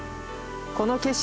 この景色